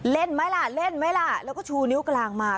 ไหมล่ะเล่นไหมล่ะแล้วก็ชูนิ้วกลางมา